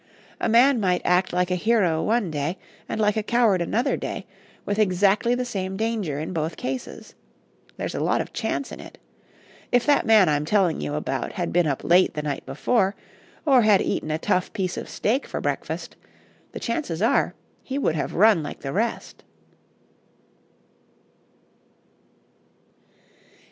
A man might act like a hero one day and like a coward another day, with exactly the same danger in both cases. There's a lot of chance in it. If that man I'm telling you about had been up late the night before, or had eaten a tough piece of steak for breakfast, the chances are he would have run like the rest."